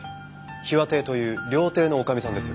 ひわ亭という料亭の女将さんです。